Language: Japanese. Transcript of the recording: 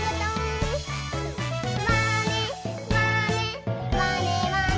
「まねまねまねまね」